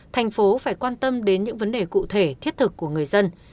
thành phố phải quan tâm đến những vấn đề cụ thể thiết thực của người dân